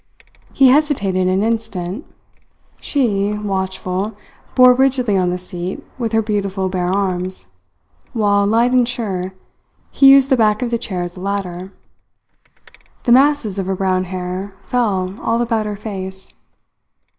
He hesitated an instant; she, watchful, bore rigidly on the seat with her beautiful bare arms, while, light and sure, he used the back of the chair as a ladder. The masses of her brown hair fell all about her face.